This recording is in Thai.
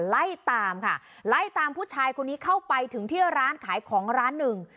ไล่ตามค่ะไล่ตามผู้ชายคนนี้เข้าไปถึงที่ร้านขายของร้านหนึ่ง